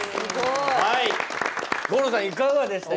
いかがでした？